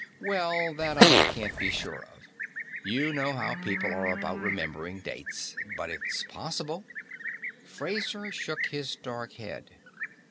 "Well, that I can't be sure of. You know how people are about remembering dates. But it's possible." Fraser shook his dark head.